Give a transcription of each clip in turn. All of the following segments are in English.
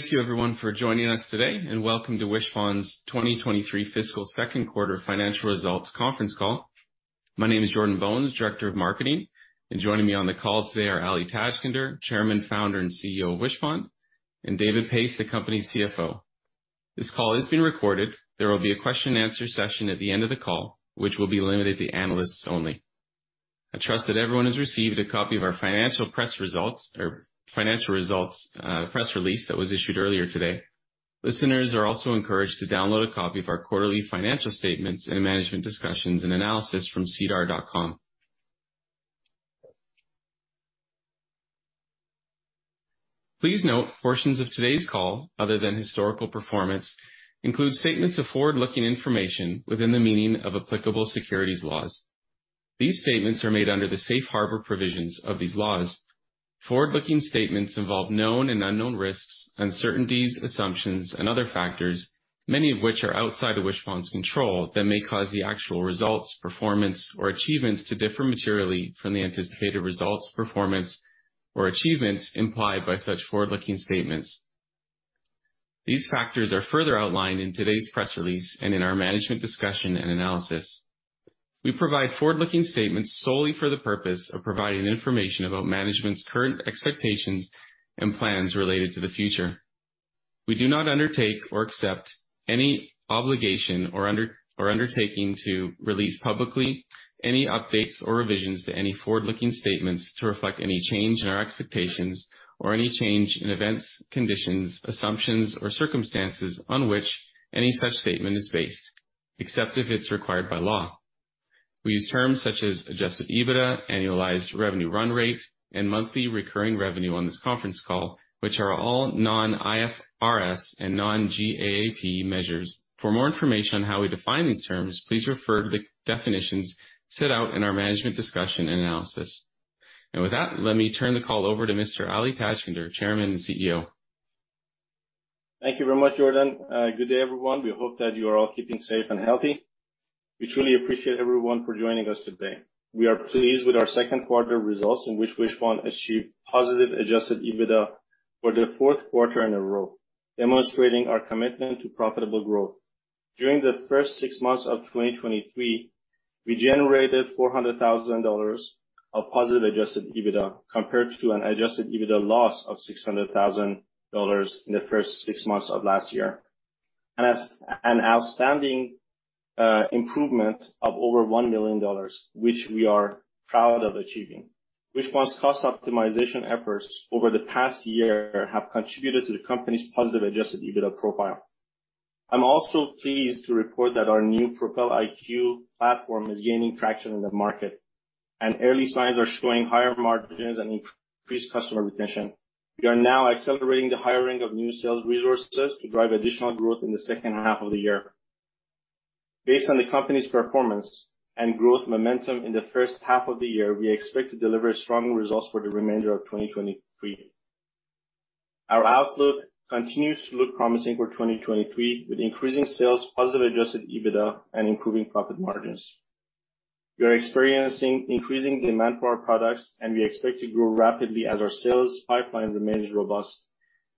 Thank you everyone for joining us today. Welcome to Wishpond's 2023 fiscal second quarter financial results conference call. My name is Jordan Beines, Director of Marketing. Joining me on the call today are Ali Tajskandar, Chairman, Founder, and CEO of Wishpond, and David Pais, the company's CFO. This call is being recorded. There will be a question and answer session at the end of the call, which will be limited to analysts only. I trust that everyone has received a copy of our financial press results or financial results press release that was issued earlier today. Listeners are also encouraged to download a copy of our quarterly financial statements and management discussions and analysis from sedar.com. Please note, portions of today's call, other than historical performance, include statements of forward-looking information within the meaning of applicable securities laws. These statements are made under the safe harbor provisions of these laws. Forward-looking statements involve known and unknown risks, uncertainties, assumptions, and other factors, many of which are outside of Wishpond's control, that may cause the actual results, performance, or achievements to differ materially from the anticipated results, performance, or achievements implied by such forward-looking statements. These factors are further outlined in today's press release and in our management discussion and analysis. We provide forward-looking statements solely for the purpose of providing information about management's current expectations and plans related to the future. We do not undertake or accept any obligation or undertaking to release publicly any updates or revisions to any forward-looking statements to reflect any change in our expectations or any change in events, conditions, assumptions, or circumstances on which any such statement is based, except if it's required by law. We use terms such as Adjusted EBITDA, Annualized Revenue Run Rate, and Monthly Recurring Revenue on this conference call, which are all non-IFRS and non-GAAP measures. For more information on how we define these terms, please refer to the definitions set out in our management discussion and analysis. With that, let me turn the call over to Mr. Ali Tajskandar, Chairman and CEO. Thank you very much, Jordan. Good day, everyone. We hope that you are all keeping safe and healthy. We truly appreciate everyone for joining us today. We are pleased with our second quarter results in which Wishpond achieved positive Adjusted EBITDA for the fourth quarter in a row, demonstrating our commitment to profitable growth. During the first six months of 2023, we generated $400,000 of positive Adjusted EBITDA, compared to an Adjusted EBITDA loss of $600,000 in the first six months of last year. That's an outstanding improvement of over $1 million, which we are proud of achieving. Wishpond's cost optimization efforts over the past year have contributed to the company's positive Adjusted EBITDA profile. I'm also pleased to report that our new Propel IQ platform is gaining traction in the market, and early signs are showing higher margins and increased customer retention. We are now accelerating the hiring of new sales resources to drive additional growth in the second half of the year. Based on the company's performance and growth momentum in the first half of the year, we expect to deliver strong results for the remainder of 2023. Our outlook continues to look promising for 2023, with increasing sales, positive Adjusted EBITDA, and improving profit margins. We are experiencing increasing demand for our products, and we expect to grow rapidly as our sales pipeline remains robust,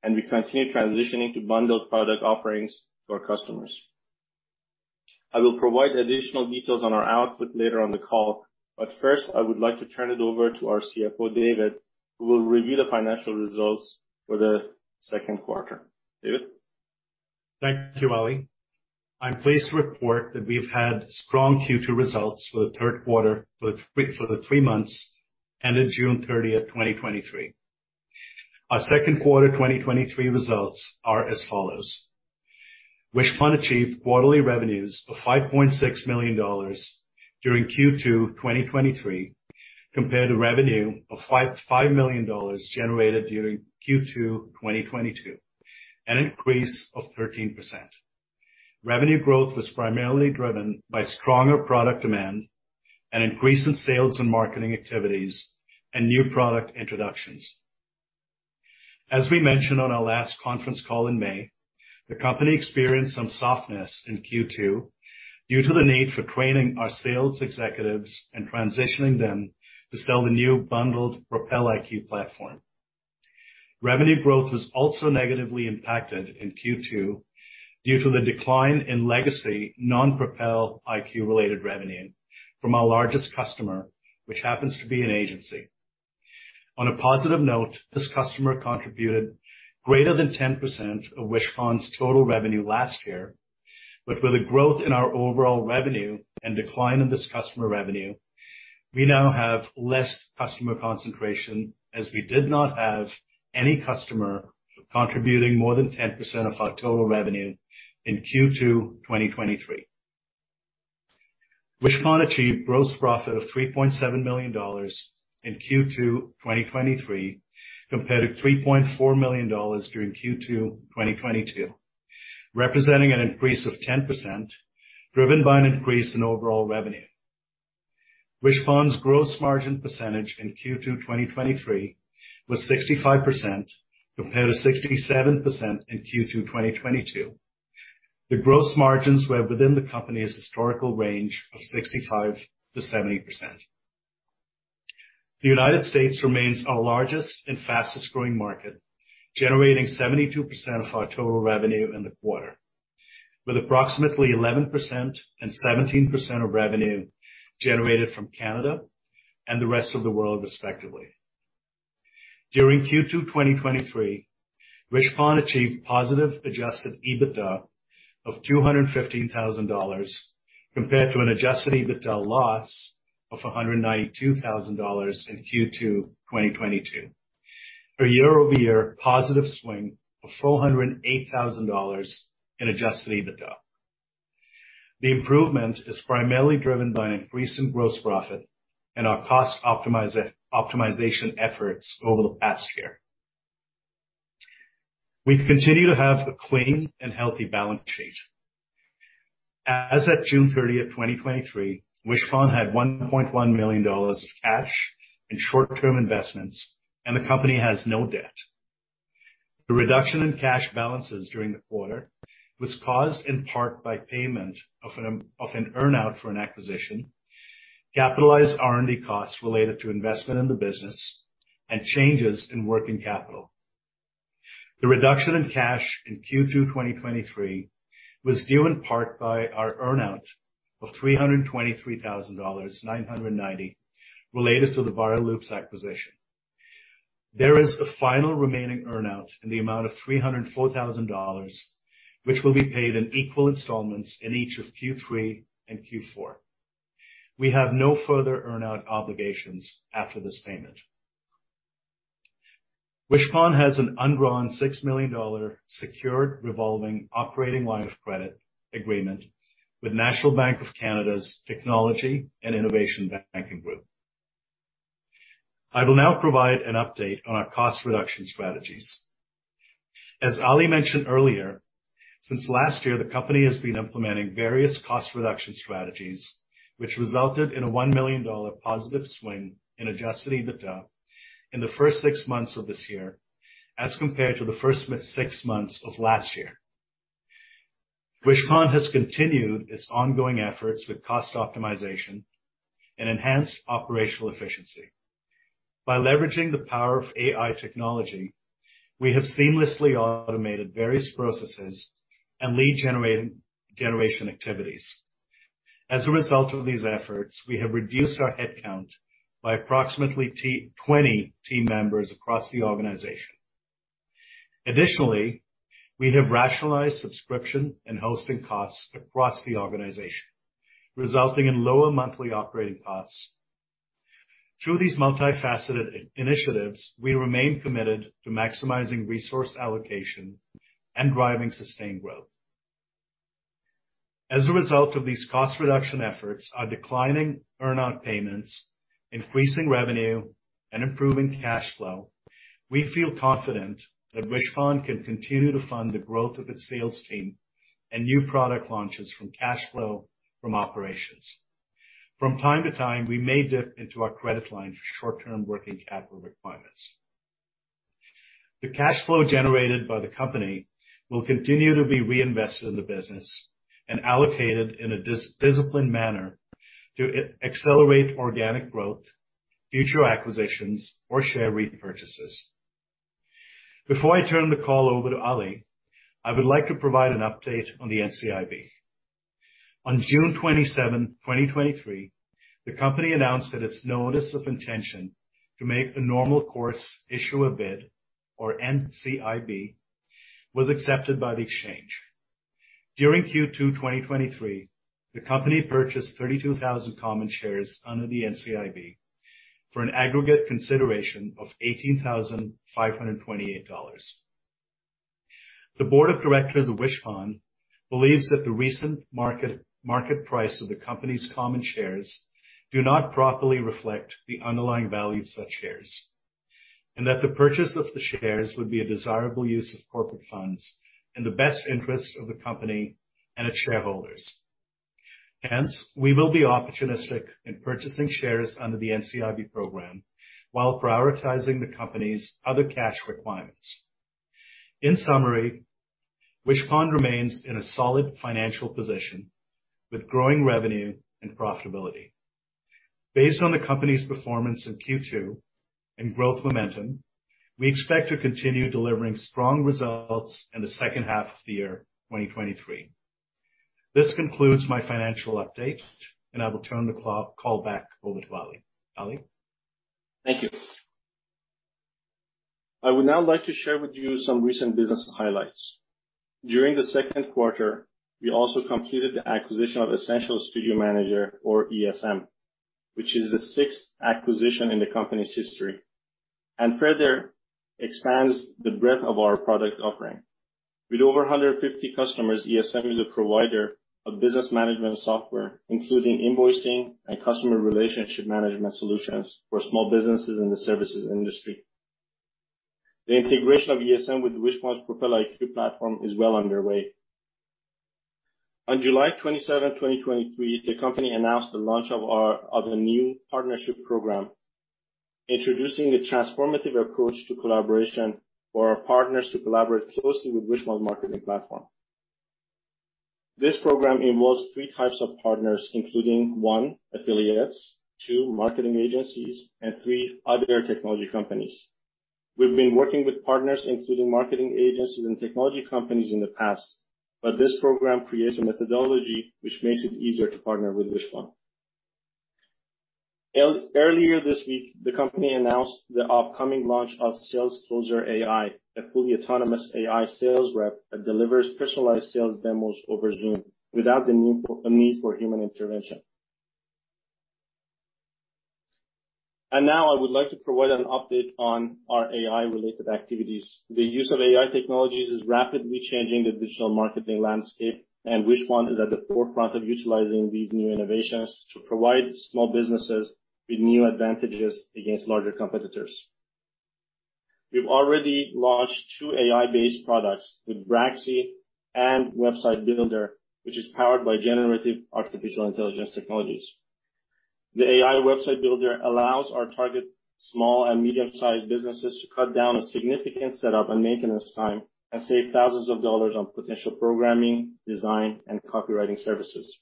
and we continue transitioning to bundled product offerings to our customers. I will provide additional details on our output later on in the call, but first, I would like to turn it over to our CFO, David, who will review the financial results for the second quarter. David? Thank you, Ali. I'm pleased to report that we've had strong Q2 results for the three months ended June 30, 2023. Our second quarter 2023 results are as follows: Wishpond achieved quarterly revenues of $5.6 million during Q2 2023, compared to revenue of $5 million generated during Q2 2022, an increase of 13%. Revenue growth was primarily driven by stronger product demand and increase in sales and marketing activities and new product introductions. As we mentioned on our last conference call in May, the company experienced some softness in Q2 due to the need for training our sales executives and transitioning them to sell the new bundled Propel IQ platform. Revenue growth was also negatively impacted in Q2 due to the decline in legacy non-Propel IQ-related revenue from our largest customer, which happens to be an agency. On a positive note, this customer contributed greater than 10% of Wishpond's total revenue last year, but with a growth in our overall revenue and decline in this customer revenue, we now have less customer concentration, as we did not have any customer contributing more than 10% of our total revenue in Q2 2023. Wishpond achieved gross profit of 3.7 million dollars in Q2 2023, compared to 3.4 million dollars during Q2 2022, representing an increase of 10%, driven by an increase in overall revenue. Wishpond's gross margin percentage in Q2 2023 was 65%, compared to 67% in Q2 2022. The gross margins were within the company's historical range of 65%-70%. The United States remains our largest and fastest growing market, generating 72% of our total revenue in the quarter, with approximately 11% and 17% of revenue generated from Canada and the rest of the world, respectively. During Q2 2023, Wishpond achieved positive Adjusted EBITDA of 215,000 dollars, compared to an Adjusted EBITDA loss of 192,000 dollars in Q2 2022, a year-over-year positive swing of 408,000 dollars in Adjusted EBITDA. The improvement is primarily driven by an increase in gross profit and our cost optimization efforts over the past year. We continue to have a clean and healthy balance sheet. As at June 30, 2023, Wishpond had 1.1 million dollars of cash and short-term investments, and the company has no debt. The reduction in cash balances during the quarter was caused in part by payment of an earn-out for an acquisition, capitalized R&D costs related to investment in the business, and changes in working capital. The reduction in cash in Q2 2023 was due in part by our earn-out of 323,990 dollars related to the Viral Loops acquisition. There is a final remaining earn-out in the amount of 304,000 dollars, which will be paid in equal installments in each of Q3 and Q4. We have no further earn-out obligations after this payment. Wishpond has an undrawn 6 million dollar secured revolving operating line of credit agreement with National Bank of Canada's Technology and Innovation Banking Group. I will now provide an update on our cost reduction strategies. As Ali mentioned earlier, since last year, the company has been implementing various cost reduction strategies, which resulted in a 1 million dollar positive swing in Adjusted EBITDA in the first six months of this year as compared to the first six months of last year. Wishpond has continued its ongoing efforts with cost optimization and enhanced operational efficiency. By leveraging the power of AI technology, we have seamlessly automated various processes and lead generation activities. As a result of these efforts, we have reduced our headcount by approximately 20 team members across the organization. Additionally, we have rationalized subscription and hosting costs across the organization, resulting in lower monthly operating costs. Through these multifaceted initiatives, we remain committed to maximizing resource allocation and driving sustained growth. As a result of these cost reduction efforts, our declining earn-out payments, increasing revenue, and improving cash flow, we feel confident that Wishpond can continue to fund the growth of its sales team and new product launches from cash flow from operations. From time to time, we may dip into our credit line for short-term working capital requirements. The cash flow generated by the company will continue to be reinvested in the business and allocated in a disciplined manner to accelerate organic growth, future acquisitions, or share repurchases. Before I turn the call over to Ali, I would like to provide an update on the NCIB. On June 27, 2023, the company announced that its notice of intention to make a Normal Course Issuer Bid, or NCIB, was accepted by the exchange. During Q2, 2023, the company purchased 32,000 common shares under the NCIB for an aggregate consideration of $18,528. The board of directors of Wishpond believes that the recent market, market price of the company's common shares do not properly reflect the underlying value of such shares, and that the purchase of the shares would be a desirable use of corporate funds in the best interest of the company and its shareholders. Hence, we will be opportunistic in purchasing shares under the NCIB program while prioritizing the company's other cash requirements. In summary, Wishpond remains in a solid financial position with growing revenue and profitability. Based on the company's performance in Q2 and growth momentum, we expect to continue delivering strong results in the second half of the year, 2023. This concludes my financial update, and I will turn the call back over to Ali. Ali? Thank you. I would now like to share with you some recent business highlights. During the second quarter, we also completed the acquisition of Essential Studio Manager, or ESM, which is the sixth acquisition in the company's history, and further expands the breadth of our product offering. With over 150 customers, ESM is a provider of business management software, including invoicing and customer relationship management solutions for small businesses in the services industry. The integration of ESM with Wishpond's Propel IQ platform is well underway. On July 27, 2023, the company announced the launch of a new partnership program, introducing a transformative approach to collaboration for our partners to collaborate closely with Wishpond marketing platform. This program involves three types of partners, including one, affiliates, two, marketing agencies, and three, other technology companies. We've been working with partners, including marketing agencies and technology companies, in the past, but this program creates a methodology which makes it easier to partner with Wishpond. Earlier this week, the company announced the upcoming launch of SalesCloser AI, a fully autonomous AI sales rep that delivers personalized sales demos over Zoom without the need for human intervention. Now I would like to provide an update on our AI-related activities. The use of AI technologies is rapidly changing the digital marketing landscape, and Wishpond is at the forefront of utilizing these new innovations to provide small businesses with new advantages against larger competitors. We've already launched two AI-based products with Braxy and Website Builder, which is powered by generative artificial intelligence technologies. The AI Website Builder allows our target small and medium-sized businesses to cut down a significant setup and maintenance time and save thousands of dollars on potential programming, design, and copywriting services.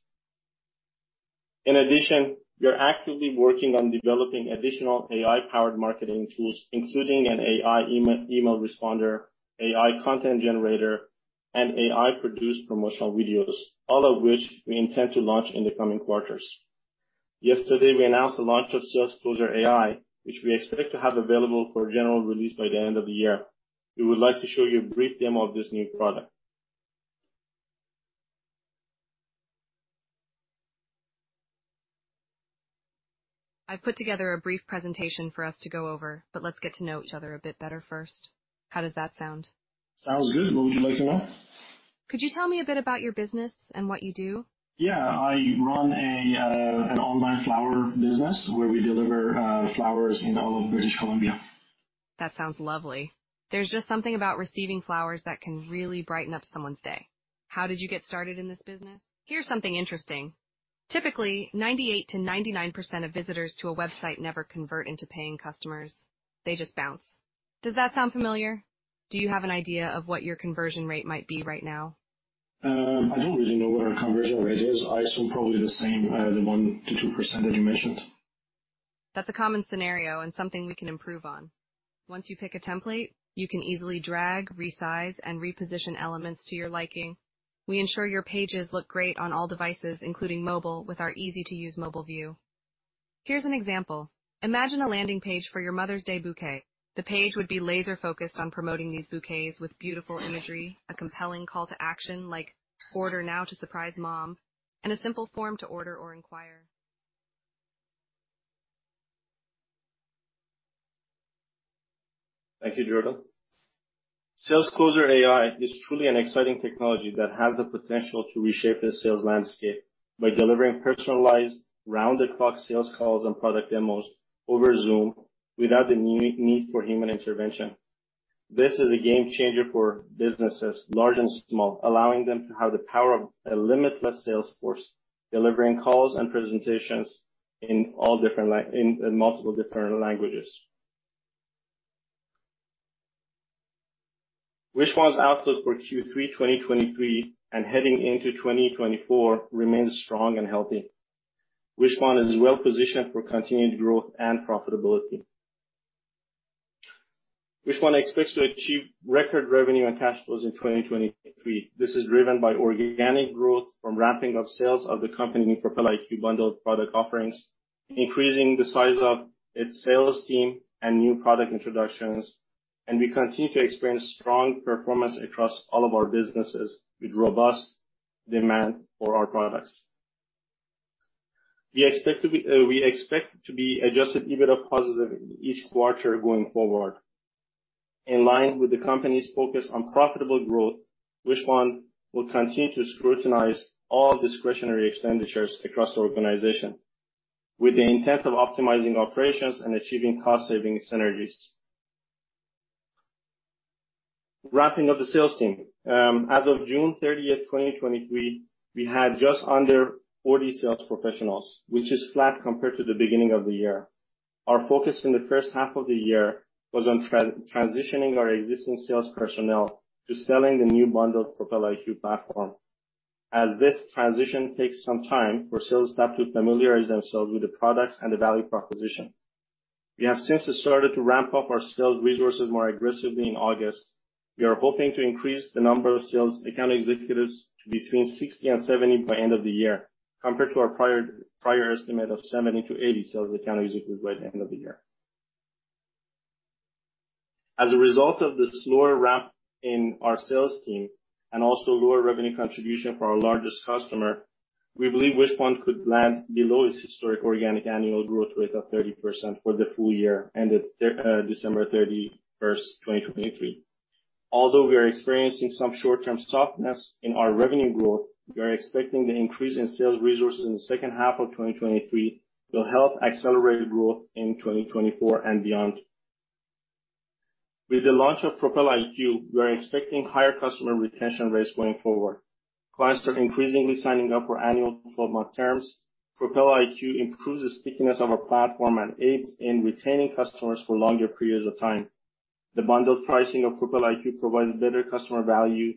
In addition, we are actively working on developing additional AI-powered marketing tools, including an AI email responder, AI Content Generator, and AI-produced promotional videos, all of which we intend to launch in the coming quarters. Yesterday, we announced the launch of SalesCloser AI, which we expect to have available for general release by the end of the year. We would like to show you a brief demo of this new product. I put together a brief presentation for us to go over, but let's get to know each other a bit better first. How does that sound? Sounds good. What would you like to know? Could you tell me a bit about your business and what you do? Yeah. I run a, an online flower business where we deliver, flowers in all of British Columbia. That sounds lovely. There's just something about receiving flowers that can really brighten up someone's day. How did you get started in this business? Here's something interesting. Typically, 98%-99% of visitors to a website never convert into paying customers. They just bounce. Does that sound familiar? Do you have an idea of what your conversion rate might be right now? I don't really know what our conversion rate is. I assume probably the same, the 1%-2% that you mentioned. That's a common scenario and something we can improve on. Once you pick a template, you can easily drag, resize, and reposition elements to your liking. We ensure your pages look great on all devices, including mobile, with our easy-to-use mobile view. Here's an example. Imagine a landing page for your Mother's Day bouquet. The page would be laser-focused on promoting these bouquets with beautiful imagery, a compelling call to action, like, "Order now to surprise Mom," and a simple form to order or inquire. Thank you, Jordan. SalesCloser AI is truly an exciting technology that has the potential to reshape the sales landscape by delivering personalized, round-the-clock sales calls and product demos over Zoom without the need for human intervention. This is a game changer for businesses, large and small, allowing them to have the power of a limitless sales force, delivering calls and presentations in all different in, in multiple different languages. Wishpond's outlook for Q3 2023 and heading into 2024 remains strong and healthy. Wishpond is well-positioned for continued growth and profitability. Wishpond expects to achieve record revenue and cash flows in 2023. This is driven by organic growth from ramping up sales of the company Propel IQ bundled product offerings, increasing the size of its sales team and new product introductions. We continue to experience strong performance across all of our businesses, with robust demand for our products. We expect to be, we expect to be Adjusted EBITDA positive in each quarter going forward. In line with the company's focus on profitable growth, Wishpond will continue to scrutinize all discretionary expenditures across the organization, with the intent of optimizing operations and achieving cost-saving synergies. Ramping of the sales team. As of June 30th, 2023, we had just under 40 sales professionals, which is flat compared to the beginning of the year. Our focus in the first half of the year was on transitioning our existing sales personnel to selling the new bundled Propel IQ platform, as this transition takes some time for sales staff to familiarize themselves with the products and the value proposition. We have since started to ramp up our sales resources more aggressively in August. We are hoping to increase the number of sales account executives to between 60 and 70 by end of the year, compared to our prior, prior estimate of 70 to 80 sales account executives by the end of the year. As a result of the slower ramp in our sales team and also lower revenue contribution for our largest customer, we believe Wishpond could land below its historic organic annual growth rate of 30% for the full year, ended December 31, 2023. Although we are experiencing some short-term softness in our revenue growth, we are expecting the increase in sales resources in the second half of 2023 will help accelerate growth in 2024 and beyond. With the launch of Propel IQ, we are expecting higher customer retention rates going forward. Clients are increasingly signing up for annual 12-month terms. Propel IQ improves the stickiness of our platform and aids in retaining customers for longer periods of time. The bundled pricing of Propel IQ provides better customer value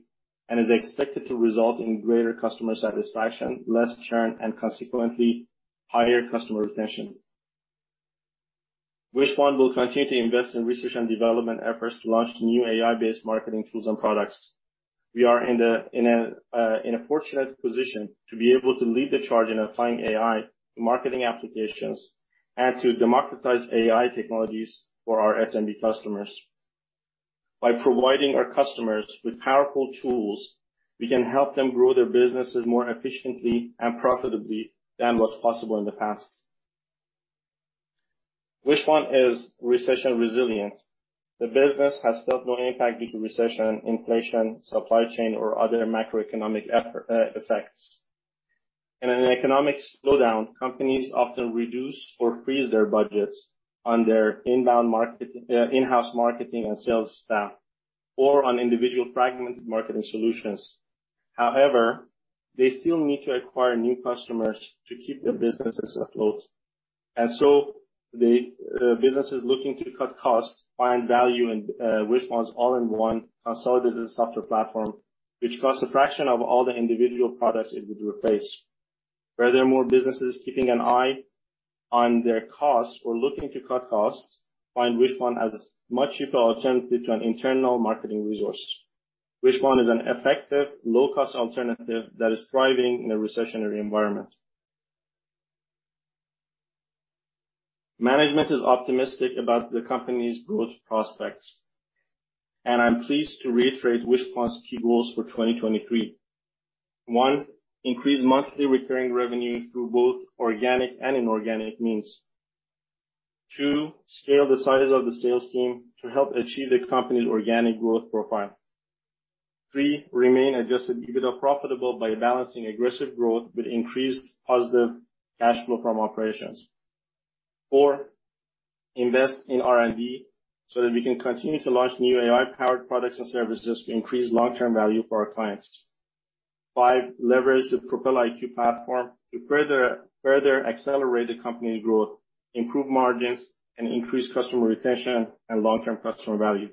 and is expected to result in greater customer satisfaction, less churn, and consequently, higher customer retention. Wishpond will continue to invest in research and development efforts to launch new AI-based marketing tools and products. We are in the, in a fortunate position to be able to lead the charge in applying AI to marketing applications and to democratize AI technologies for our SMB customers. By providing our customers with powerful tools, we can help them grow their businesses more efficiently and profitably than was possible in the past. Wishpond is recession resilient. The business has felt no impact due to recession, inflation, supply chain, or other macroeconomic effects. In an economic slowdown, companies often reduce or freeze their budgets on their inbound marketing, in-house marketing and sales staff, or on individual fragmented marketing solutions. However, they still need to acquire new customers to keep their businesses afloat. So the businesses looking to cut costs, find value in Wishpond's all-in-one consolidated software platform, which costs a fraction of all the individual products it would replace. Where there are more businesses keeping an eye on their costs or looking to cut costs, find Wishpond as a much cheaper alternative to an internal marketing resource. Wishpond is an effective, low-cost alternative that is thriving in a recessionary environment. Management is optimistic about the company's growth prospects, I'm pleased to reiterate Wishpond's key goals for 2023. 1, increase Monthly Recurring Revenue through both organic and inorganic means. 2, scale the sizes of the sales team to help achieve the company's organic growth profile. 3, remain Adjusted EBITDA profitable by balancing aggressive growth with increased positive cash flow from operations. 4, invest in R&D so that we can continue to launch new AI-powered products and services to increase long-term value for our clients. 5, leverage the Propel IQ platform to further, further accelerate the company's growth, improve margins, and increase customer retention and long-term customer value.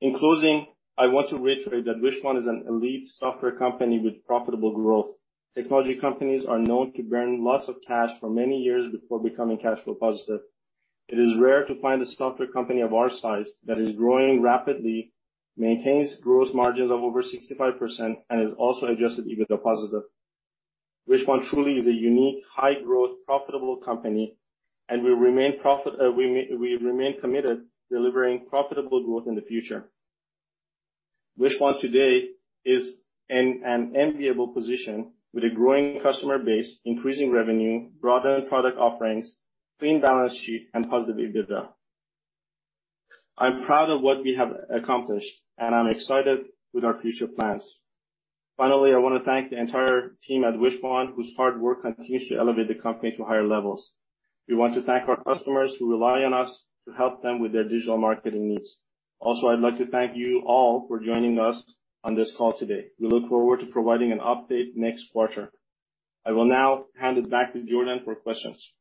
In closing, I want to reiterate that Wishpond is an elite software company with profitable growth. Technology companies are known to burn lots of cash for many years before becoming cash flow positive. It is rare to find a software company of our size that is growing rapidly, maintains gross margins of over 65%, and is also Adjusted EBITDA positive. Wishpond truly is a unique, high-growth, profitable company, and we remain committed delivering profitable growth in the future. Wishpond today is in an enviable position with a growing customer base, increasing revenue, broadened product offerings, clean balance sheet, and positive EBITDA. I'm proud of what we have accomplished, and I'm excited with our future plans. Finally, I want to thank the entire team at Wishpond, whose hard work continues to elevate the company to higher levels. We want to thank our customers who rely on us to help them with their digital marketing needs. Also, I'd like to thank you all for joining us on this call today. We look forward to providing an update next quarter. I will now hand it back to Jordan for questions.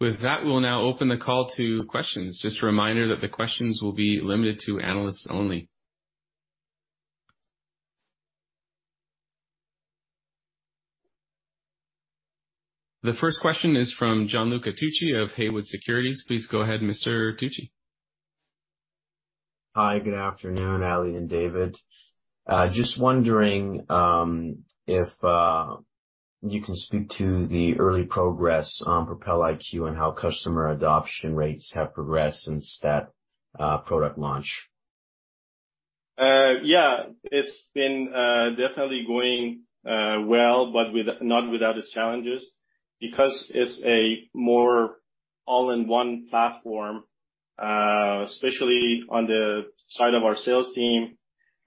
With that, we'll now open the call to questions. Just a reminder that the questions will be limited to analysts only. The first question is from Gianluca Tucci of Haywood Securities. Please go ahead, Mr. Tucci. Hi, good afternoon, Ali and David. Just wondering if you can speak to the early progress on Propel IQ and how customer adoption rates have progressed since that product launch? Yeah, it's been definitely going well, but not without its challenges, because it's a more all-in-one platform, especially on the side of our sales team,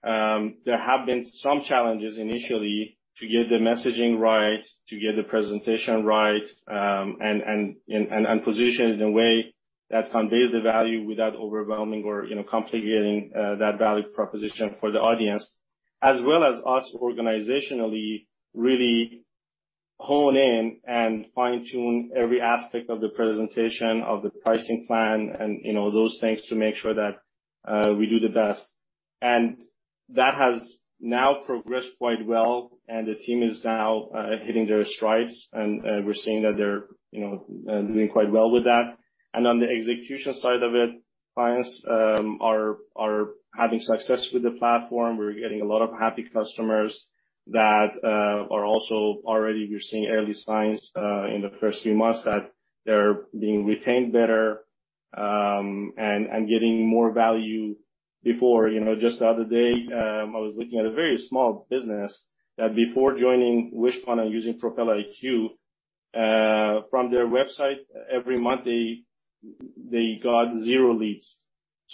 there have been some challenges initially to get the messaging right, to get the presentation right, and positioned in a way that conveys the value without overwhelming or, you know, complicating that value proposition for the audience, as well as us organizationally, really hone in and fine-tune every aspect of the presentation, of the pricing plan, and, you know, those things to make sure that we do the best. That has now progressed quite well, and the team is now hitting their strides, and we're seeing that they're, you know, doing quite well with that. On the execution side of it, clients are, are having success with the platform. We're getting a lot of happy customers that are also. Already, we're seeing early signs in the first few months that they're being retained better, and, and getting more value. Before, you know, just the other day, I was looking at a very small business that before joining Wishpond and using Propel IQ, from their website, every month, they, they got 0 leads.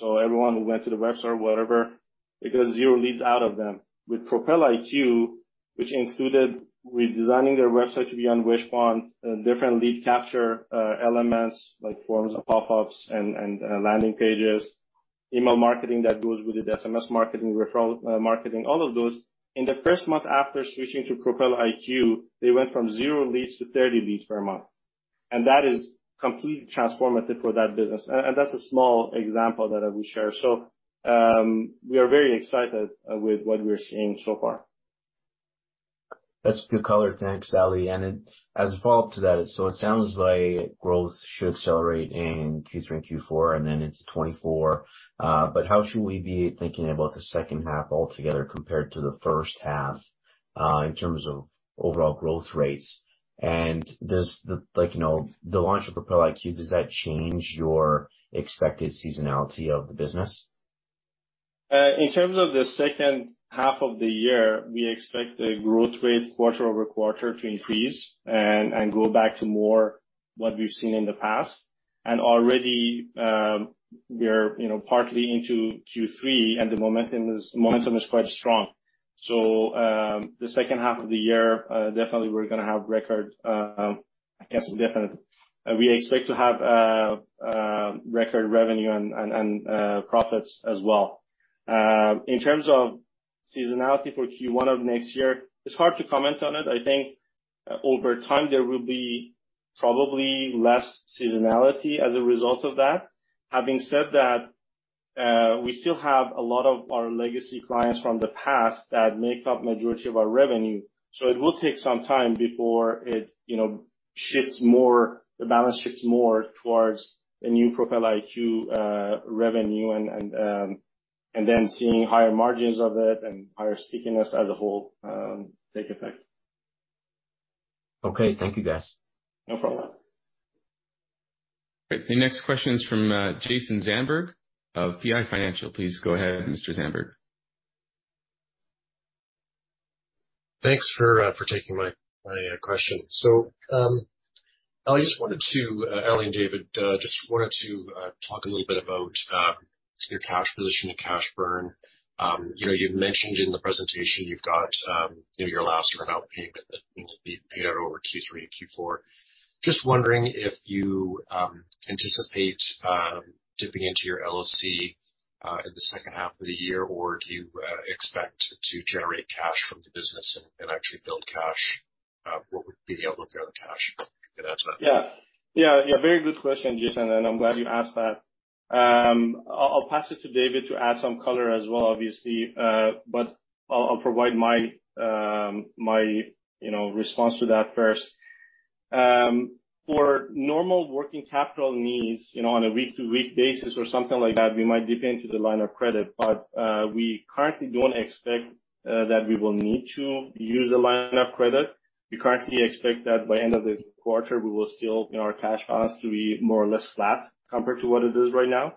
Everyone who went to the website or whatever, they got 0 leads out of them. With Propel IQ, which included redesigning their website to be on Wishpond, different lead capture elements, like forms of pop-ups and, and landing pages-, email marketing that goes with it, SMS marketing, referral marketing, all of those. In the first month after switching to Propel IQ, they went from 0 leads to 30 leads per month, and that is completely transformative for that business. That's a small example that I will share. We are very excited with what we're seeing so far. That's good color. Thanks, Ali. Then as a follow-up to that, so it sounds like growth should accelerate in Q3 and Q4, and then into 2024. How should we be thinking about the second half altogether compared to the first half in terms of overall growth rates? Does the, like, you know, the launch of Propel IQ, does that change your expected seasonality of the business? In terms of the second half of the year, we expect the growth rate quarter-over-quarter to increase and go back to more what we've seen in the past. Already, we're, you know, partly into Q3, and the momentum is quite strong. The second half of the year, definitely we're gonna have record, I guess, definitely, we expect to have record revenue and profits as well. In terms of seasonality for Q1 of next year, it's hard to comment on it. I think over time, there will be probably less seasonality as a result of that. Having said that, we still have a lot of our legacy clients from the past that make up majority of our revenue, so it will take some time before it, you know, shifts more, the balance shifts more towards the new Propel IQ, revenue and, and, and then seeing higher margins of it and higher stickiness as a whole, take effect. Okay. Thank you, guys. No problem. The next question is from Jason Zandberg of PI Financial. Please go ahead, Mr. Zandberg. Thanks for, for taking my, my question. I just wanted to Ali and David, just wanted to talk a little bit about your cash position and cash burn. You know, you've mentioned in the presentation you've got, you know, your last earn-out payment that will be paid out over Q3 and Q4. Just wondering if you anticipate dipping into your LOC in the second half of the year, or do you expect to generate cash from the business and, and actually build cash? What would be able to build cash, if you could answer that? Yeah. Yeah, yeah, very good question, Jason, and I'm glad you asked that. I'll, I'll pass it to David to add some color as well, obviously, but I'll, I'll provide my, you know, response to that first. For normal working capital needs, you know, on a week-to-week basis or something like that, we might dip into the line of credit, but we currently don't expect that we will need to use the line of credit. We currently expect that by end of the quarter, we will still, you know, our cash balance to be more or less flat compared to what it is right now.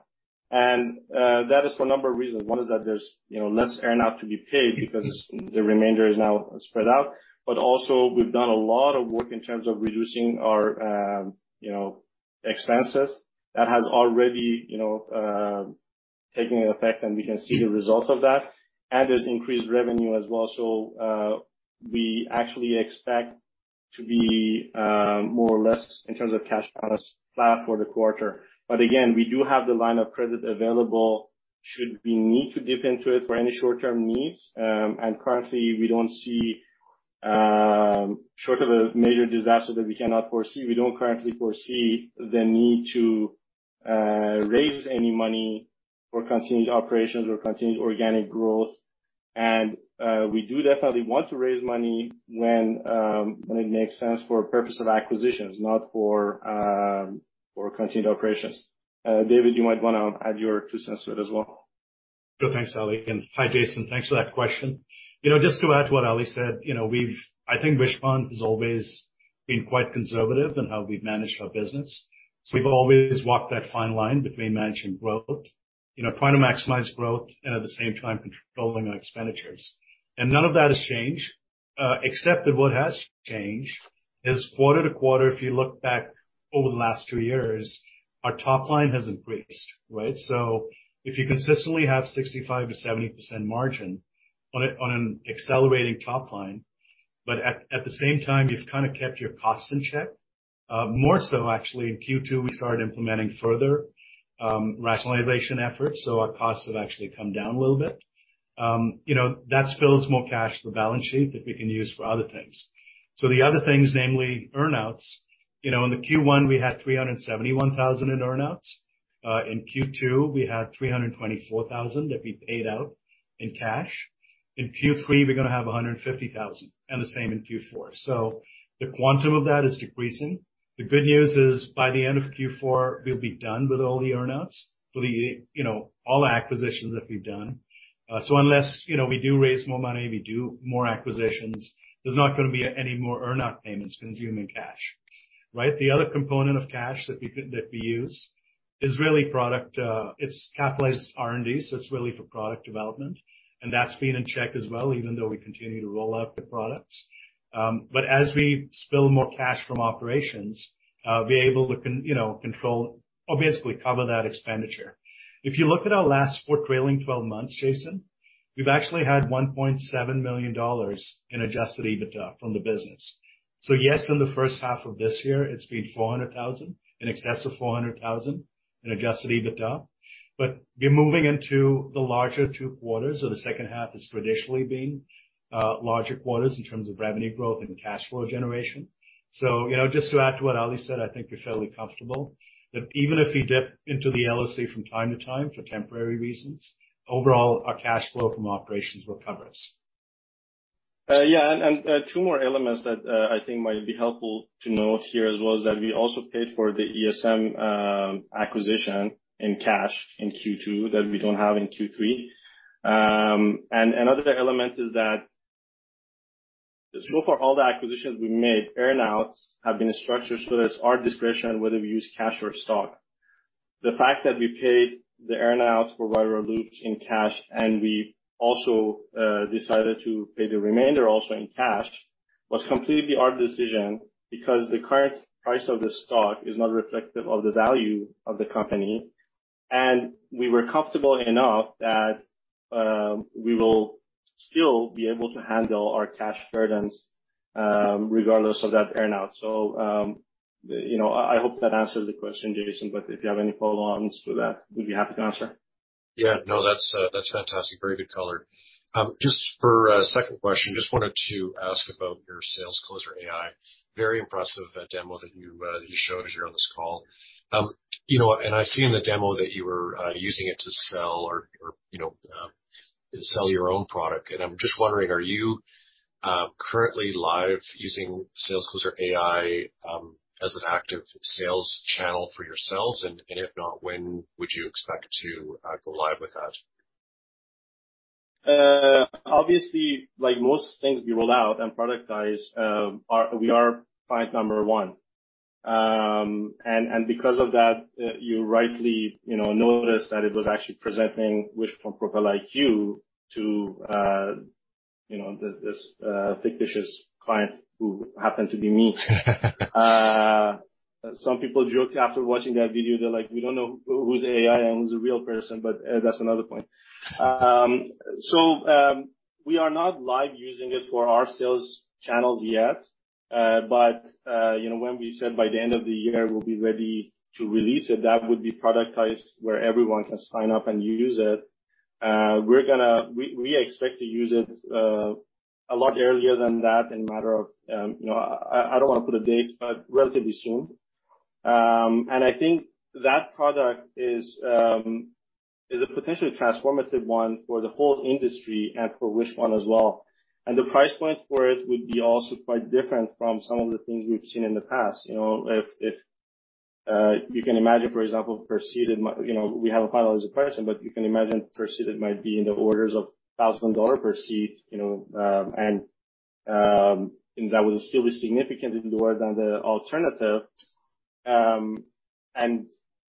That is for a number of reasons. One is that there's, you know, less earn-out to be paid because it's, the remainder is now spread out. We've done a lot of work in terms of reducing our, you know, expenses. That has already, you know, taken an effect, and we can see the results of that, and it increased revenue as well. We actually expect to be, more or less, in terms of cash balance, flat for the quarter. We do have the line of credit available should we need to dip into it for any short-term needs. Currently, we don't see, short of a major disaster that we cannot foresee, we don't currently foresee the need to raise any money for continued operations or continued organic growth. We do definitely want to raise money when it makes sense for purpose of acquisitions, not for continued operations. David, you might wanna add your two cents to it as well. Sure thing, Ali. Hi, Jason. Thanks for that question. You know, just to add to what Ali said, you know, I think Wishpond has always been quite conservative in how we've managed our business. We've always walked that fine line between managing growth, you know, trying to maximize growth and at the same time, controlling our expenditures. None of that has changed, except that what has changed is quarter to quarter, if you look back over the last two years, our top line has increased, right? If you consistently have 65%-70% margin on a, on an accelerating top line, but at, at the same time, you've kind of kept your costs in check, more so actually in Q2, we started implementing further rationalization efforts, our costs have actually come down a little bit. You know, that spills more cash to the balance sheet that we can use for other things. The other things, namely earn-outs, you know, in the Q1, we had 371,000 in earn-outs. In Q2, we had 324,000 that we paid out in cash. In Q3, we're going to have 150,000, and the same in Q4. The quantum of that is decreasing. The good news is, by the end of Q4, we'll be done with all the earn-outs for the, you know, all the acquisitions that we've done. Unless, you know, we do raise more money, we do more acquisitions, there's not going to be any more earn-out payments consuming cash, right? The other component of cash that we, that we use is really product, it's capitalized R&D, so it's really for product development, and that's been in check as well, even though we continue to roll out the products. As we spill more cash from operations, we're able to, you know, control or basically cover that expenditure. If you look at our last four trailing 12 months, Jason, we've actually had 1.7 million dollars in Adjusted EBITDA from the business. Yes, in the first half of this year, it's been 400,000, in excess of 400,000 in Adjusted EBITDA. We're moving into the larger 2 quarters, the second half has traditionally been larger quarters in terms of revenue growth and cash flow generation. You know, just to add to what Ali said, I think we're fairly comfortable that even if we dip into the LLC from time to time for temporary reasons, overall, our cash flow from operations recovers. Two more elements that I think might be helpful to note here as well, is that we also paid for the ESM acquisition in cash in Q2, that we don't have in Q3. Another element is that so far, all the acquisitions we made, earn-outs, have been structured so that it's our discretion whether we use cash or stock. The fact that we paid the earn-outs for Viral Loops in cash, and we also decided to pay the remainder also in cash, was completely our decision, because the current price of the stock is not reflective of the value of the company, and we were comfortable enough that we will still be able to handle our cash burdens regardless of that earn-out. you know, I, I hope that answers the question, Jason, but if you have any follow-ons to that, we'd be happy to answer. Yeah. No, that's, that's fantastic. Very good color. Just for a second question, just wanted to ask about your SalesCloser AI Very impressive, that demo that you, that you showed us here on this call. You know, I see in the demo that you were, using it to sell or, or, you know, sell your own product. I'm just wondering, are you currently live using SalesCloser AI as an active sales channel for yourselves? If not, when would you expect to go live with that? Obviously, like most things we roll out and productize, we are client number 1. Because of that, you rightly, you know, noticed that it was actually presenting Wishpond Propel IQ to, you know, this fictitious client who happened to be me. Some people joke after watching that video, they're like, "We don't know who, who's AI and who's a real person," but that's another point. We are not live using it for our sales channels yet. You know, when we said by the end of the year we'll be ready to release it, that would be productized, where everyone can sign up and use it. We're gonna. We, we expect to use it, a lot earlier than that in a matter of, you know, I, I don't want to put a date, but relatively soon. I think that product is, is a potentially transformative one for the whole industry and for Wishpond as well. The price point for it would be also quite different from some of the things we've seen in the past. You know, if, if, you can imagine, for example, per seat, it might, you know, we have a final as a person, but you can imagine per seat, it might be in the orders of $1,000 per seat, you know, and that would still be significantly lower than the alternative.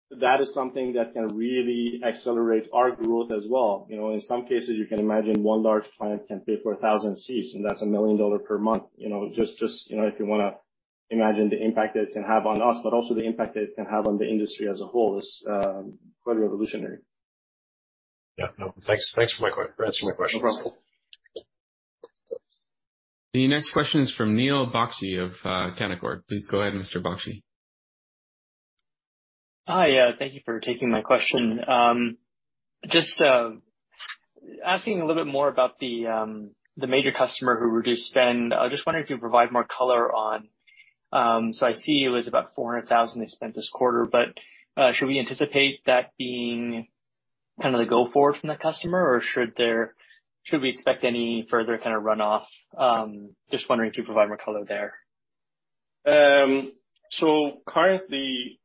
That is something that can really accelerate our growth as well. You know, in some cases, you can imagine one large client can pay for 1,000 seats, and that's $1 million per month. You know, just, just, you know, if you want to imagine the impact it can have on us, but also the impact it can have on the industry as a whole is quite revolutionary. Yeah. No, thanks. Thanks for my for answering my questions. No problem. The next question is from Nikhil Basdeo of Canaccord. Please go ahead, Mr. Basdeo Hi, thank you for taking my question. Just asking a little bit more about the major customer who reduced spend. I just wondered if you could provide more color on... I see it was about $400,000 they spent this quarter, but should we anticipate that being kind of the go forward from the customer, or should we expect any further kind of runoff? Just wondering if you could provide more color there. Currently,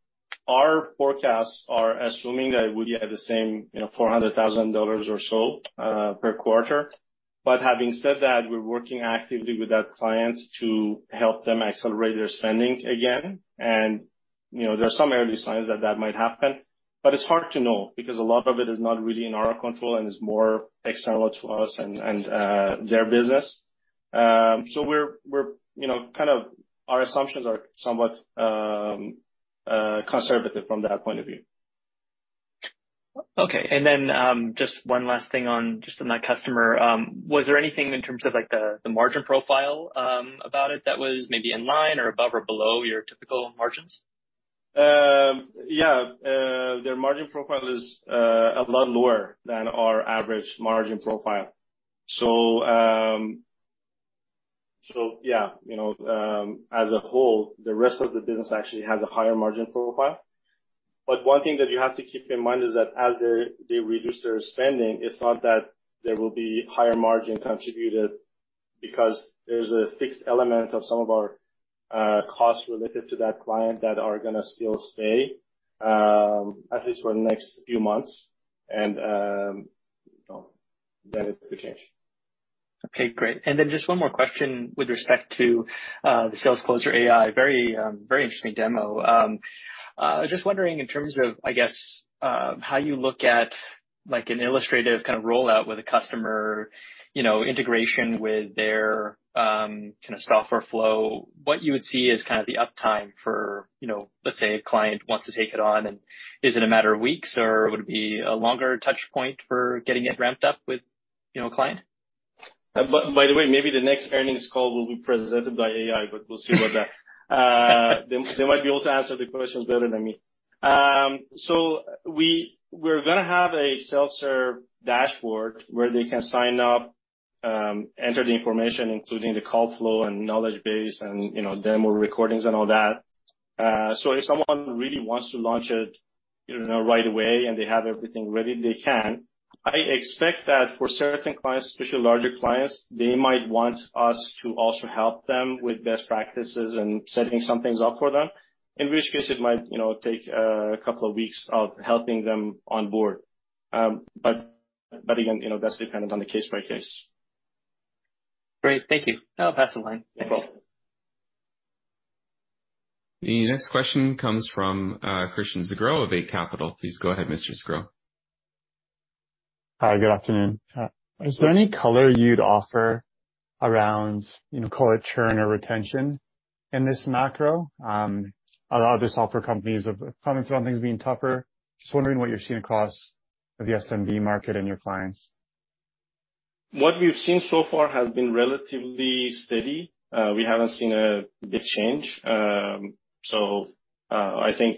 our forecasts are assuming that we would have the same, you know, $400,000 or so per quarter. Having said that, we're working actively with that client to help them accelerate their spending again. You know, there are some early signs that that might happen, but it's hard to know, because a lot of it is not really in our control and is more external to us and, and their business. We're, we're, you know, our assumptions are somewhat conservative from that point of view. Okay. Just one last thing on, just on that customer. Was there anything in terms of, like, the, the margin profile, about it that was maybe in line or above or below your typical margins? Yeah. Their margin profile is a lot lower than our average margin profile. Yeah, you know, as a whole, the rest of the business actually has a higher margin profile. One thing that you have to keep in mind is that as they, they reduce their spending, it's not that there will be higher margin contributed, because there's a fixed element of some of our costs related to that client that are gonna still stay, at least for the next few months, and, you know, that it could change. Okay, great. Then just one more question with respect to, the SalesCloser AI AI. Very, very interesting demo. just wondering in terms of, I guess, how you look at-... like an illustrative kind of rollout with a customer, you know, integration with their, kind of software flow, what you would see as kind of the uptime for, you know, let's say a client wants to take it on, and is it a matter of weeks, or would it be a longer touch point for getting it ramped up with, you know, a client? By the way, maybe the next earnings call will be presented by AI, but we'll see about that. They might be able to answer the questions better than me. We're gonna have a self-serve dashboard where they can sign up, enter the information, including the call flow and knowledge base and, you know, demo recordings and all that. If someone really wants to launch it, you know, right away and they have everything ready, they can. I expect that for certain clients, especially larger clients, they might want us to also help them with best practices and setting some things up for them, in which case it might, you know, take a couple of weeks of helping them on board. Again, you know, that's dependent on the case by case. Great. Thank you. I'll pass the line. Thanks. You're welcome. The next question comes from Christian Sgro of Eight Capital. Please go ahead, Mr. Sgro. Hi, good afternoon. Is there any color you'd offer around, you know, call it churn or retention in this macro? A lot of the software companies have commented on things being tougher. Just wondering what you're seeing across the SMB market and your clients. What we've seen so far has been relatively steady. We haven't seen a big change. I think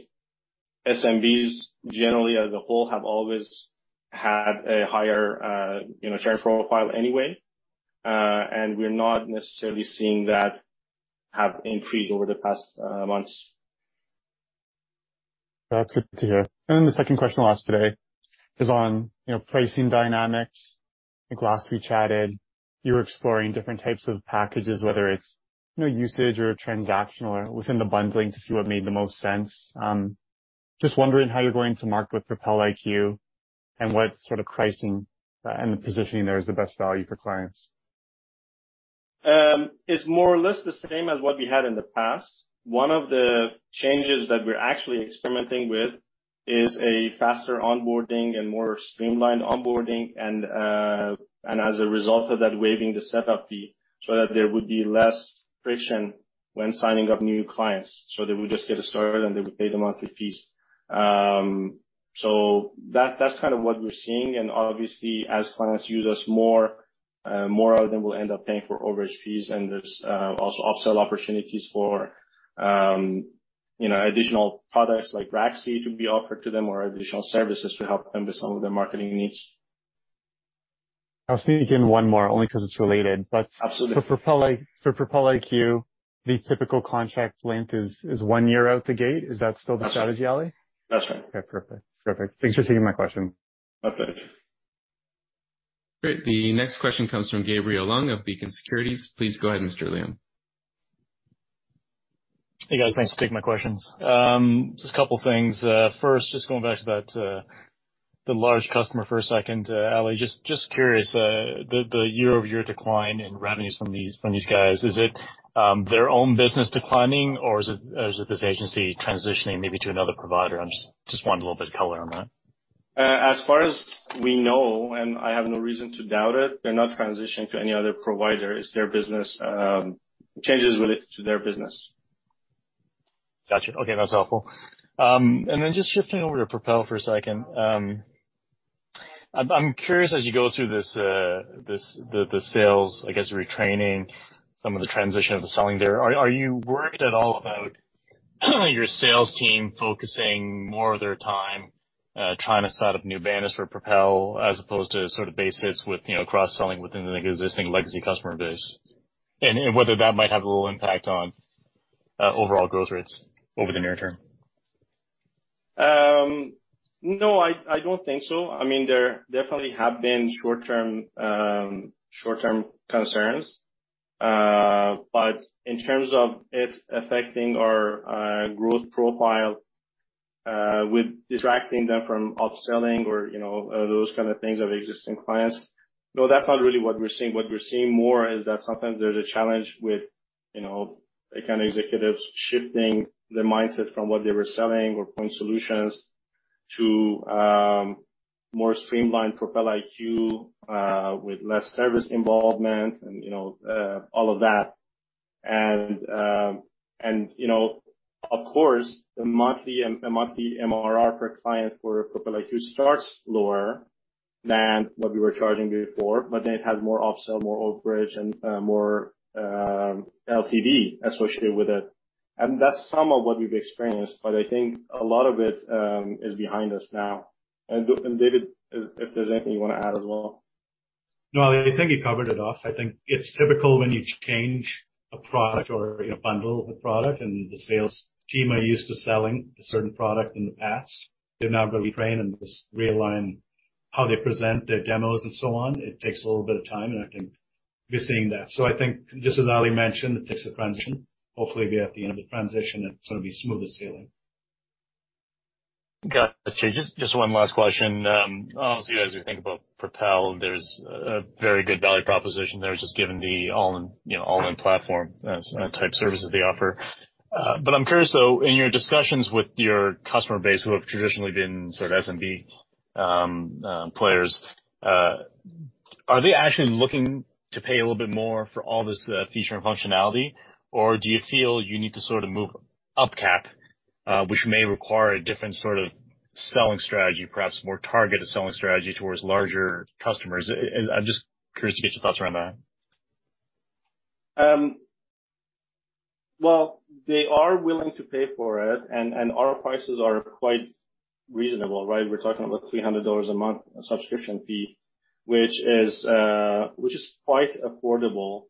SMBs generally, as a whole, have always had a higher, you know, churn profile anyway. We're not necessarily seeing that have increased over the past months. That's good to hear. The second question I'll ask today is on, you know, pricing dynamics. I think last we chatted, you were exploring different types of packages, whether it's, you know, usage or transactional or within the bundling to see what made the most sense. Just wondering how you're going to market with Propel IQ and what sort of pricing and the positioning there is the best value for clients. It's more or less the same as what we had in the past. One of the changes that we're actually experimenting with is a faster onboarding and more streamlined onboarding, as a result of that, waiving the setup fee so that there would be less friction when signing up new clients. They would just get started, and they would pay the monthly fees. That's kind of what we're seeing. Obviously, as clients use us more, more of them will end up paying for overage fees, and there's also upsell opportunities for, you know, additional products like Braxy to be offered to them or additional services to help them with some of their marketing needs. I'll sneak in one more only because it's related. Absolutely. For Propel IQ, the typical contract length is one year out the gate. Is that still the strategy, Ali? That's right. Okay, perfect. Perfect. Thanks for taking my question. No problem. Great. The next question comes from Gabriel Leung of Beacon Securities. Please go ahead, Mr. Leung. Hey, guys. Thanks for taking my questions. Just a couple of things. First, just going back to that, the large customer for a second, Ali Tajskandar, just curious, the year-over-year decline in revenues from these, from these guys, is it their own business declining, or is it, or is it this agency transitioning maybe to another provider? I'm just wanting a little bit of color on that. As far as we know, and I have no reason to doubt it, they're not transitioning to any other provider. It's their business, changes related to their business. Gotcha. Okay, that's helpful. Then just shifting over to Propel for a second. I'm, I'm curious, as you go through this, this, the, the sales, I guess, retraining some of the transition of the selling there, are, are you worried at all about your sales team focusing more of their time, trying to set up new business for Propel as opposed to sort of base hits with, you know, cross-selling within the existing legacy customer base? Whether that might have a little impact on overall growth rates over the near term? No, I, I don't think so. I mean, there definitely have been short-term, short-term concerns. But in terms of it affecting our growth profile, with distracting them from upselling or, you know, those kind of things of existing clients, no, that's not really what we're seeing. What we're seeing more is that sometimes there's a challenge with, you know, account executives shifting their mindset from what they were selling or point solutions to more streamlined Propel IQ, with less service involvement and, you know, all of that. And, and, you know, of course, the monthly and monthly MRR per client for Propel IQ starts lower than what we were charging before, but then it has more upsell, more overage, and more LTV associated with it. That's some of what we've experienced, but I think a lot of it is behind us now. David, if, if there's anything you want to add as well? No, I think you covered it off. I think it's typical when you change a product or, you know, bundle a product, and the sales team are used to selling a certain product in the past, they're now going to retrain and realign how they present their demos and so on. It takes a little bit of time, and I think we're seeing that. I think just as Ali mentioned, it takes a transition. Hopefully, we're at the end of the transition, it's gonna be smooth as sailing. Got it. Just, just one last question. Obviously, as you think about Propel, there's a very good value proposition there, just given the all-in, you know, all-in platform, type services they offer. I'm curious, though, in your discussions with your customer base, who have traditionally been sort of SMB players. Are they actually looking to pay a little bit more for all this feature and functionality? Do you feel you need to sort of move up cap, which may require a different sort of selling strategy, perhaps more targeted selling strategy towards larger customers? I'm just curious to get your thoughts around that. Well, they are willing to pay for it, and, and our prices are quite reasonable, right? We're talking about a $300 a month subscription fee, which is, which is quite affordable,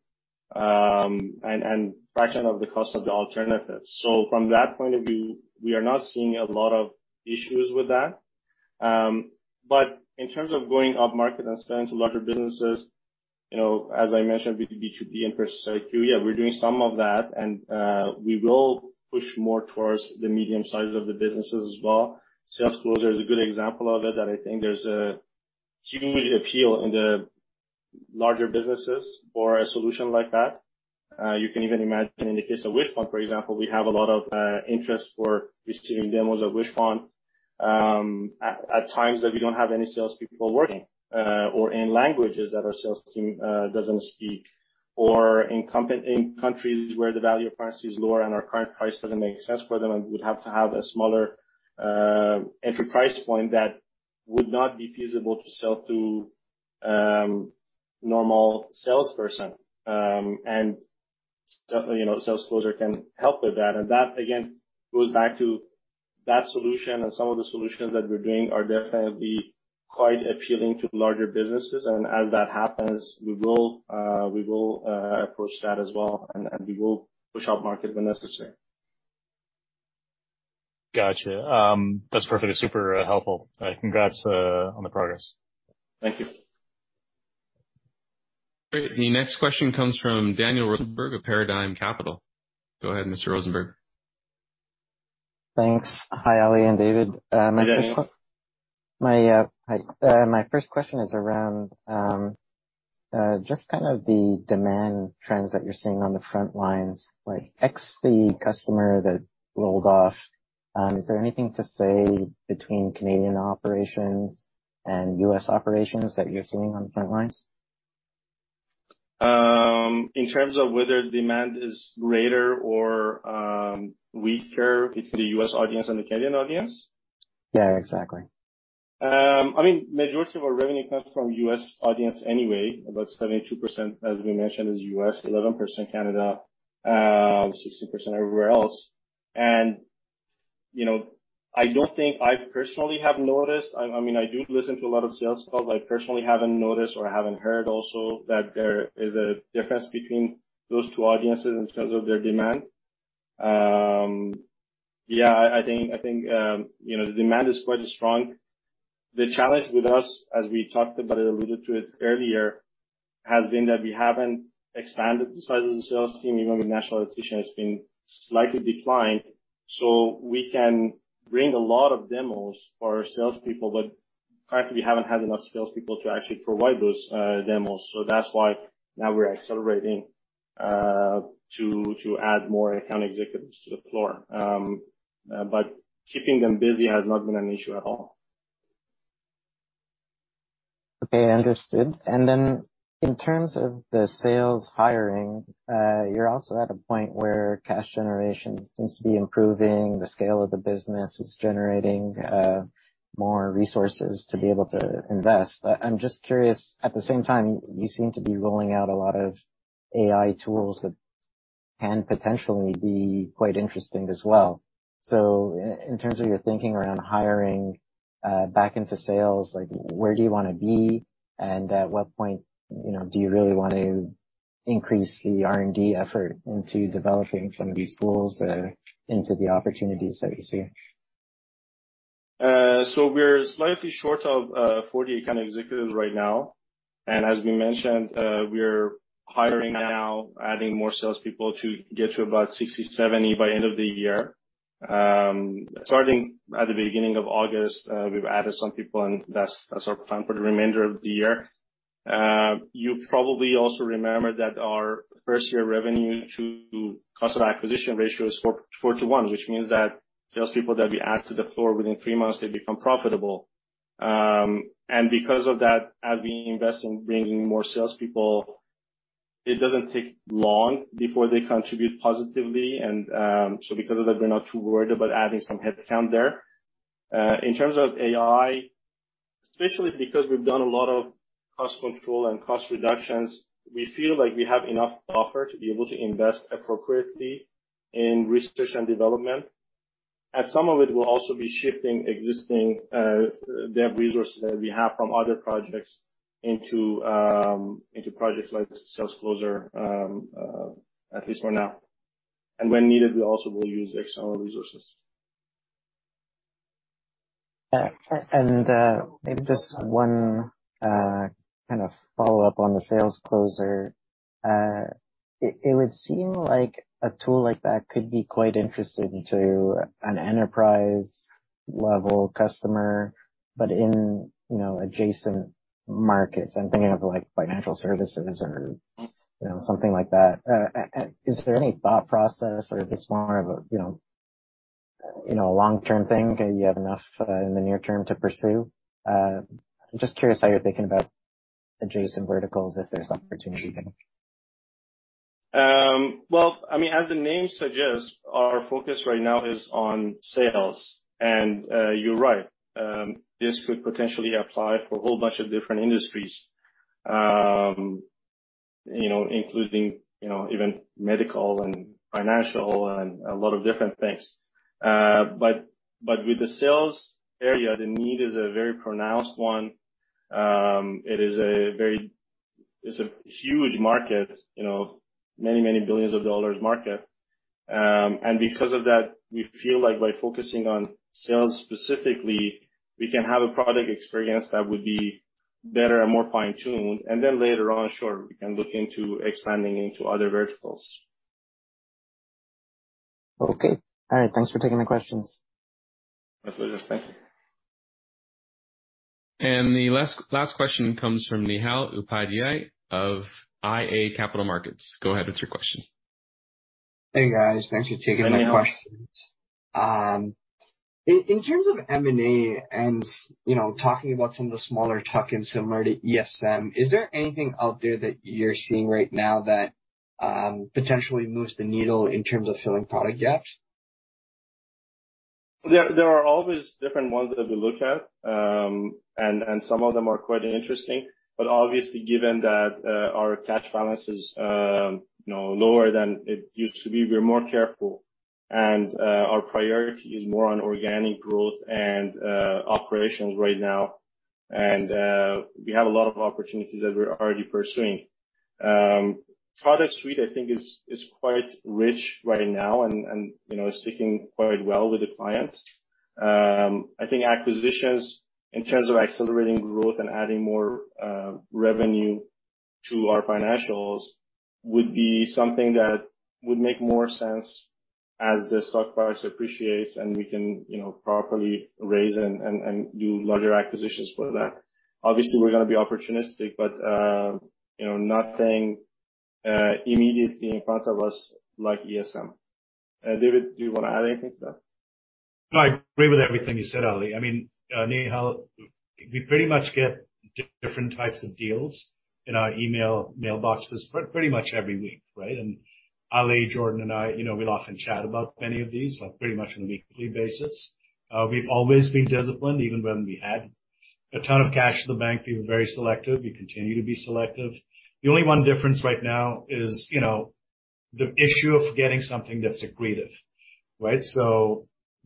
and, and fraction of the cost of the alternative. From that point of view, we are not seeing a lot of issues with that. In terms of going upmarket and selling to larger businesses, you know, as I mentioned, B2B, B2B in particular, yeah, we're doing some of that, and we will push more towards the medium size of the businesses as well. SalesCloser AI is a good example of it, that I think there's a huge appeal in the larger businesses for a solution like that. You can even imagine in the case of Wishpond, for example, we have a lot of interest for receiving demos of Wishpond at times that we don't have any salespeople working, or in languages that our sales team doesn't speak, or in countries where the value of currency is lower and our current price doesn't make sense for them, and we'd have to have a smaller entry price point that would not be feasible to sell to normal salesperson. And definitely, you know, SalesCloser AI can help with that. And that, again, goes back to that solution and some of the solutions that we're doing are definitely quite appealing to larger businesses, and as that happens, we will, we will approach that as well, and we will push upmarket when necessary. Gotcha. That's perfect. It's super helpful. Congrats, on the progress. Thank you. Great. The next question comes from Daniel Rosenberg of Paradigm Capital. Go ahead, Mr. Rosenberg. Thanks. Hi, Ali and David, my first- Hi, Daniel. My, hi. My first question is around just kind of the demand trends that you're seeing on the front lines, like X, the customer that rolled off. Is there anything to say between Canadian operations and US operations that you're seeing on the front lines? In terms of whether demand is greater or weaker between the U.S. audience and the Canadian audience? Yeah, exactly. I mean, majority of our revenue comes from US audience anyway. About 72%, as we mentioned, is US, 11% Canada, 16% everywhere else. You know, I don't think I personally have noticed... I mean, I do listen to a lot of sales calls. I personally haven't noticed or haven't heard also that there is a difference between those two audiences in terms of their demand. Yeah, I think, I think, you know, the demand is quite strong. The challenge with us, as we talked about it, alluded to it earlier, has been that we haven't expanded the size of the sales team, even with national edition has been slightly declined. We can bring a lot of demos for our salespeople, but frankly, we haven't had enough salespeople to actually provide those demos. That's why now we're accelerating, to add more account executives to the floor. Keeping them busy has not been an issue at all. Okay, understood. In terms of the sales hiring, you're also at a point where cash generation seems to be improving, the scale of the business is generating, more resources to be able to invest. I'm just curious, at the same time, you seem to be rolling out a lot of AI tools that can potentially be quite interesting as well. In terms of your thinking around hiring, back into sales, like, where do you wanna be? At what point, you know, do you really want to increase the R&D effort into developing some of these tools, into the opportunities that you see? We're slightly short of 40 account executives right now. As we mentioned, we are hiring now, adding more salespeople to get to about 60, 70 by end of the year. Starting at the beginning of August, we've added some people, and that's, that's our plan for the remainder of the year. You probably also remember that our first year revenue to cost of acquisition ratio is 4:1, which means that salespeople that we add to the floor, within 3 months, they become profitable. Because of that, as we invest in bringing more salespeople, it doesn't take long before they contribute positively, and because of that, we're not too worried about adding some headcount there. In terms of AI, especially because we've done a lot of cost control and cost reductions, we feel like we have enough offer to be able to invest appropriately in research and development. Some of it will also be shifting existing dev resources that we have from other projects into projects like SalesCloser AI, at least for now. When needed, we also will use external resources. Maybe just one kind of follow-up on the SalesCloser AI. It, it would seem like a tool like that could be quite interesting to an enterprise-level customer, but in, you know, adjacent markets. I'm thinking of, like, financial services or, you know, something like that. Is there any thought process, or is this more of a, you know, a long-term thing, you have enough in the near term to pursue? I'm just curious how you're thinking about adjacent verticals, if there's opportunity there. Well, I mean, as the name suggests, our focus right now is on sales. You're right, this could potentially apply for a whole bunch of different industries, you know, including, you know, even medical and financial and a lot of different things. But with the sales area, the need is a very pronounced one. It is a huge market, you know, many, many billions of dollars market. Because of that, we feel like by focusing on sales specifically, we can have a product experience that would be better and more fine-tuned, and then later on, sure, we can look into expanding into other verticals. Okay. All right. Thanks for taking my questions. My pleasure. Thank you. The last, last question comes from Nihal Upadhyay of iA Capital Markets. Go ahead with your question. Hey, guys. Thanks for taking my question. In terms of M&A and, you know, talking about some of the smaller tuck-ins, similar to ESM, is there anything out there that you're seeing right now that potentially moves the needle in terms of filling product gaps? There, there are always different ones that we look at, and, and some of them are quite interesting. Obviously, given that our cash balance is, you know, lower than it used to be, we're more careful. Our priority is more on organic growth and operations right now. We have a lot of opportunities that we're already pursuing. Product suite, I think is, is quite rich right now and, and, you know, is sticking quite well with the clients. I think acquisitions, in terms of accelerating growth and adding more revenue to our financials, would be something that would make more sense as the stock price appreciates and we can, you know, properly raise and, and, and do larger acquisitions for that. Obviously, we're gonna be opportunistic, but, you know, nothing immediately in front of us like ESM. David, do you want to add anything to that? No, I agree with everything you said, Ali. I mean, Nihal, we pretty much get different types of deals in our email mailboxes pretty much every week, right? Ali, Jordan, and I, you know, we'll often chat about many of these, like, pretty much on a weekly basis. We've always been disciplined. Even when we had a ton of cash in the bank, we were very selective. We continue to be selective. The only one difference right now is, you know, the issue of getting something that's accretive, right?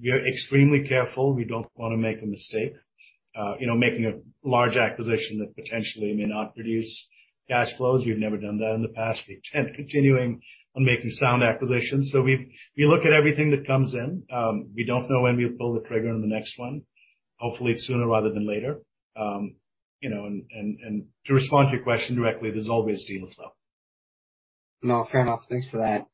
We are extremely careful. We don't want to make a mistake. You know, making a large acquisition that potentially may not produce cash flows, we've never done that in the past. We intend continuing on making sound acquisitions. We, we look at everything that comes in. We don't know when we'll pull the trigger on the next one. Hopefully, it's sooner rather than later. You know, and, and, and to respond to your question directly, there's always deals, though. No, fair enough. Thanks for that.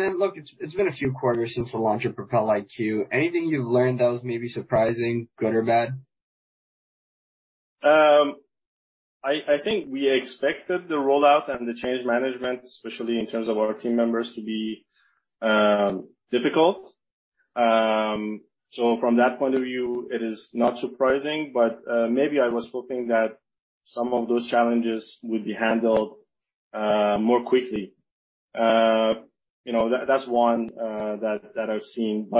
Then, look, it's, it's been a few quarters since the launch of Propel IQ. Anything you've learned that was maybe surprising, good or bad? I, I think we expected the rollout and the change management, especially in terms of our team members, to be difficult. From that point of view, it is not surprising, but maybe I was hoping that some of those challenges would be handled more quickly. You know, that-that's one that, that I've seen.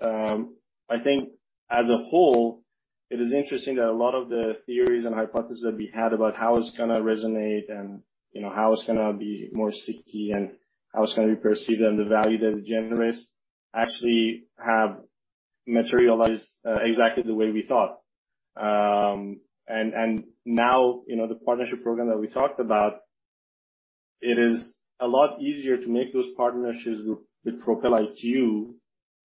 I think as a whole, it is interesting that a lot of the theories and hypotheses that we had about how it's gonna resonate and, you know, how it's gonna be more sticky and how it's gonna be perceived and the value that it generates, actually have materialized exactly the way we thought. Now, you know, the partnership program that we talked about, it is a lot easier to make those partnerships with Propel IQ,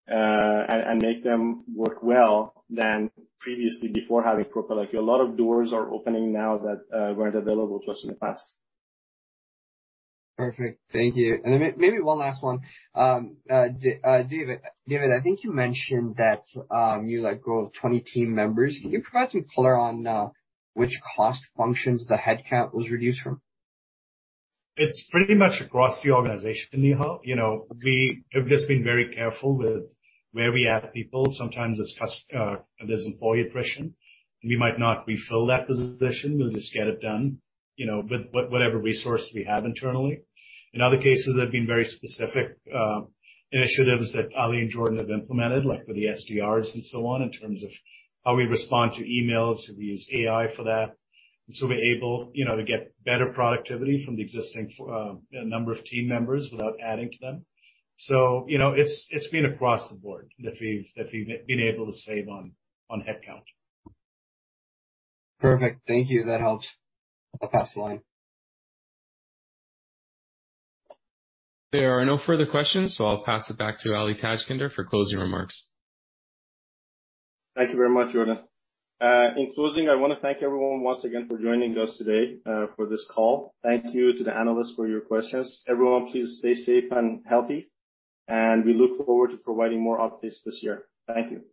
and make them work well than previously before having Propel IQ. A lot of doors are opening now that weren't available to us in the past. Perfect. Thank you. May-maybe one last one. David, David, I think you mentioned that, you, like, grew 20 team members. Can you provide some color on which cost functions the headcount was reduced from? It's pretty much across the organization, Nihal. You know, we have just been very careful with where we add people. Sometimes there's employee attrition. We might not refill that position. We'll just get it done, you know, with whatever resources we have internally. In other cases, they've been very specific initiatives that Ali and Jordan have implemented, like for the SDRs and so on, in terms of how we respond to emails. We use AI for that, and so we're able, you know, to get better productivity from the existing number of team members without adding to them. You know, it's, it's been across the board that we've, that we've been able to save on, on headcount. Perfect. Thank you. That helps. I'll pass the line. There are no further questions, so I'll pass it back to Ali Tajskandar for closing remarks. Thank you very much, Jordan. In closing, I want to thank everyone once again for joining us today for this call. Thank you to the analysts for your questions. Everyone, please stay safe and healthy, and we look forward to providing more updates this year. Thank you.